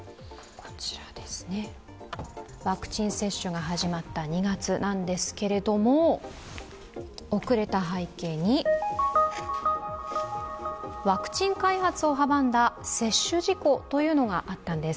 ワクチン接種が始まった２月なんですけれども、遅れた背景に、ワクチン開発を阻んだ接種事故というのがあったんです。